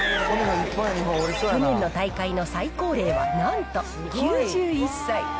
去年の大会の最高齢はなんと９１歳。